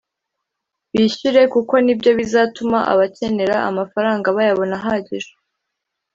bishyure kuko nibyo bizatuma abakenera amafaranga bayabona ahagije